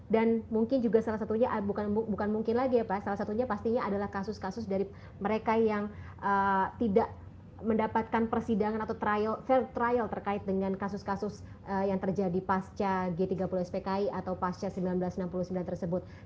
mungkin juga salah satunya bukan mungkin lagi ya pak salah satunya pastinya adalah kasus kasus dari mereka yang tidak mendapatkan persidangan atau fair trial terkait dengan kasus kasus yang terjadi pasca g tiga puluh spki atau pasca seribu sembilan ratus enam puluh sembilan tersebut